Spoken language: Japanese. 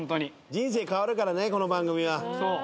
人生変わるからねこの番組は。